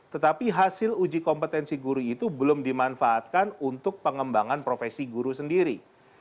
tetapi hasil uji kompetensi guru itu belum dimanfaatkan untuk pengembangan profesi guru sendiri